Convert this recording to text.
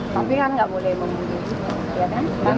tapi kan gak boleh memungkinkan